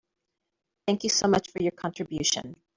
Thank you so much for your contribution.